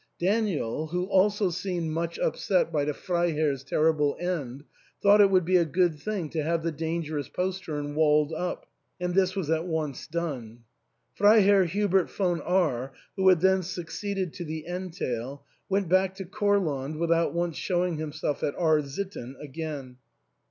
Daniel, who also seemed much upset by the Freiherr's terrible end, thought it would be a good thing to have the dangerous postern walled up ; and this was at once done. Freiherr Hubert von R , who had then succeeded to the entail, went back to Courland without once showing himself at R — sitten again.